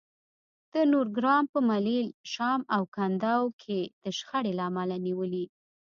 د نورګرام په ملیل، شام او کندو کې د شخړې له امله نیولي